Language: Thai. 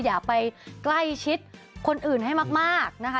อย่าไปใกล้ชิดคนอื่นให้มากนะคะ